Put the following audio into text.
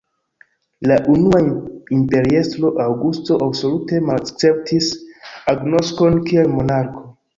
La unua imperiestro, Aŭgusto, absolute malakceptis agnoskon kiel monarko.